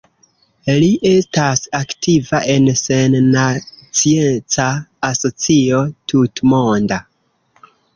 Li estas aktiva en Sennacieca Asocio Tutmonda.